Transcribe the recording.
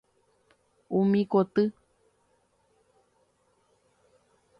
Umi koty.